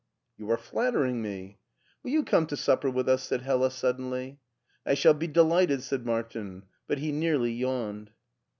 " You are flattering me," "Will you come to supper with us?" said Hella suddenly. " I shall be delighted," said Martin ; but he nearly yawned.